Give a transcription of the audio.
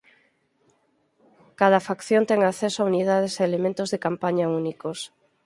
Cada facción ten acceso a unidades e elementos de campaña únicos.